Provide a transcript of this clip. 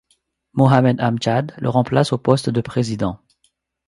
Mohammad Amjad le remplace au poste de président.